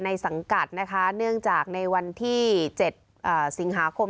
สังกัดนะคะเนื่องจากในวันที่๗สิงหาคม